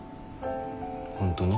本当に？